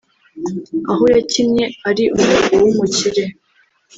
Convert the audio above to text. aho yakinnye ari umugabo w'umukire